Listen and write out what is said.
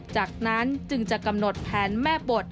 จากนั้นจึงจะกำหนดแผนแม่บท